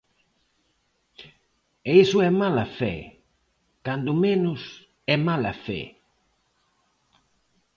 E iso é mala fe, cando menos é mala fe.